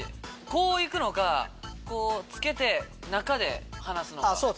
こう行くのかつけて中で離すのか。